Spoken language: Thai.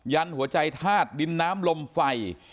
ันหัวใจธาตุดินน้ำลมไฟ